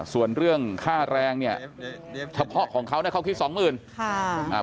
ส่วนเรื่องค่าแรงเนี่ยเฉพาะของเขาเขาคิด๒๐๐๐๐บาท